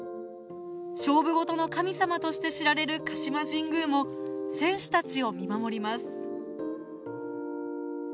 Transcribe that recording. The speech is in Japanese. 勝負事の神様として知られる鹿島神宮も選手たちを見守ります。